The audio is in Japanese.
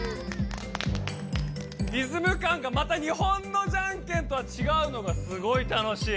リズムかんがまた日本のじゃんけんとはちがうのがすごい楽しい。